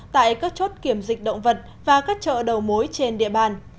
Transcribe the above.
tại các chốt kiểm dịch động vật và các chợ đầu mối trên địa bàn